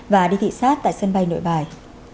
và đi thị xát tại sân bay nội bài